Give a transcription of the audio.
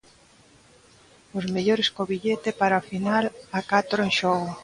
Os mellores, co billete para a final a catro en xogo.